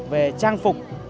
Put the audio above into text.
về trang phục